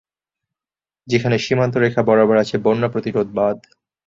সেখানে সীমান্ত রেখা বরাবর আছে বন্যা প্রতিরোধ বাঁধ।